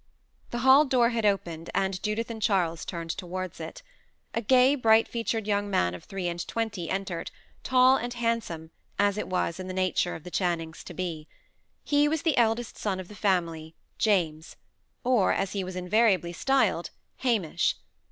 The hall door had opened, and Judith and Charles turned towards it. A gay, bright featured young man of three and twenty entered, tall and handsome, as it was in the nature of the Channings to be. He was the eldest son of the family, James; or, as he was invariably styled, Hamish.